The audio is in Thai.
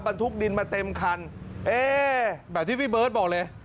บรรทุกดินมาเต็มคันเอ๊แบบที่พี่เบิร์ตบอกเลย